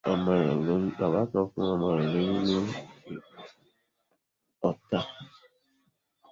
Bàbá kan fún ọmọ rẹ̀ lóyún ní Ọ̀tà.